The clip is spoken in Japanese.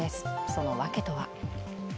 その訳とは。